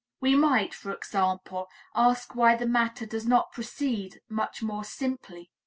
We might, for example, ask why the matter does not proceed much more simply.